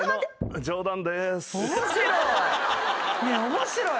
面白い。